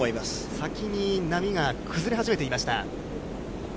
先に波が崩れ始めていました。